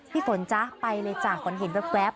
พี่ฝนจ้ะไปเลยจ้ะขวัญเห็นแป๊บ